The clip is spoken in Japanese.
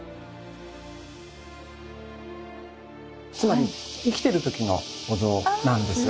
つまり生きてる時のお像なんです。